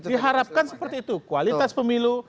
diharapkan seperti itu kualitas pemilu